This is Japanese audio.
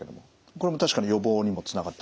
これも確かに予防にもつながってくる？